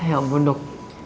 ya ampun dok